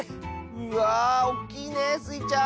うわおっきいねスイちゃん。